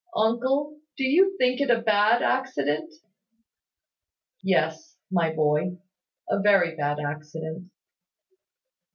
Uncle, do you think it a bad accident?" "Yes, my boy, a very bad accident."